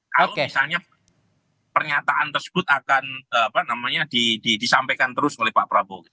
kalau misalnya pernyataan tersebut akan disampaikan terus oleh pak prabowo